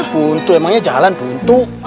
buntu emangnya jalan buntu